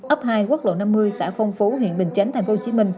ấp hai quốc lộ năm mươi xã phong phú huyện bình chánh tp hcm